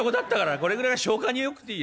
これぐらいが消化によくていい。